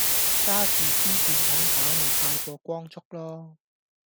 揸著枝電筒跑咪快過光速囉